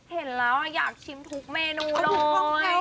เห็นแล้วอยากชิมทุกเมนูเลย